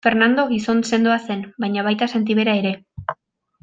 Fernando gizon sendoa zen baina baita sentibera ere.